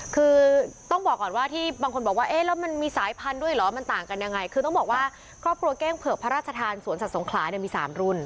คือต้องบอกก่อนว่าที่บางคนบอกว่าเอ๊ะแล้วมันมีสายพันธุ์ด้วยเหรอมันต่างกันยังไงคือต้องบอกว่าครอบครัวเก้งเผือกพระราชทานสวนสัตว์สงขลาเนี่ยมี๓รุ่น